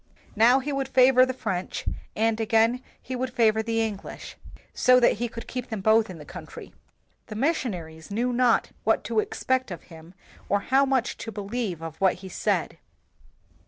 Now he would favor the French, and again he would favor the En glish, so that he could keep them both in the country. The missionaries knew not what to expect of him or how much to be lieve of what he said.